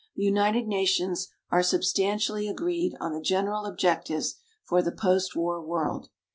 The United Nations are substantially agreed on the general objectives for the post war world.